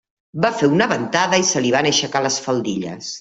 Va fer una ventada i se li van aixecar les faldilles.